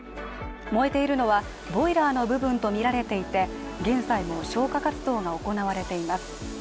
燃えているのはボイラーの部分とみられていて現在も消火活動が行われています。